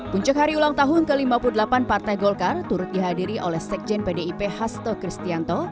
puncak hari ulang tahun ke lima puluh delapan partai golkar turut dihadiri oleh sekjen pdip hasto kristianto